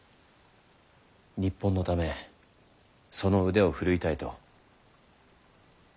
日本のためその腕を振るいたいと。